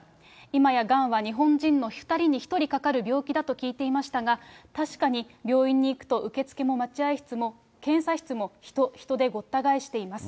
今やがんは日本人の２人に１人かかる病気だと聞いていましたが、確かに病院に行くと、受付も待合室も、検査室も、人、人でごった返しています。